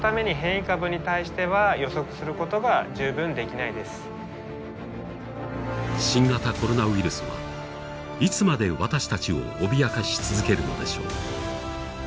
ただし新型コロナウイルスは、いつまで私たちを脅かし続けるのでしょう。